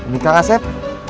nih kang aset